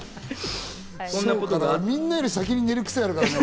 みんなより先に寝るクセあるからな。